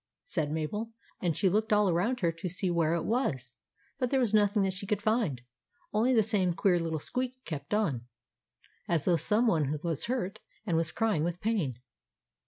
said Mabel; and she looked all around her to see where it was. But there was nothing that she could find ; only the same queer little squeak kept on, as though some one was hurt and was crying with pain.